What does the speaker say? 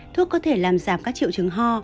thuốc có thể làm giảm các triệu chứng ho